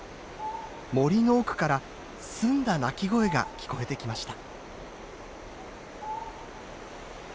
森の奥から澄んだ鳴き声が聞こえてきました。